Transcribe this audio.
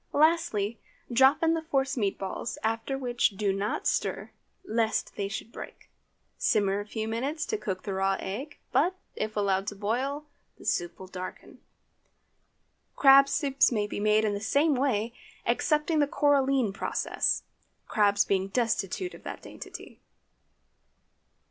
Lastly, drop in the force meat balls, after which do not stir, lest they should break. Simmer a few minutes to cook the raw egg; but, if allowed to boil, the soup will darken. Crab soup may be made in the same way, excepting the coralline process, crabs being destitute of that dainty.